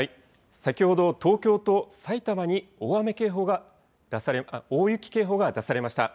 先ほど東京と埼玉に大雪警報が出されました。